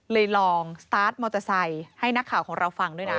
ลองสตาร์ทมอเตอร์ไซค์ให้นักข่าวของเราฟังด้วยนะ